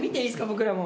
僕らも。